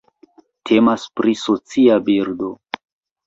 Temas pri socia birdo.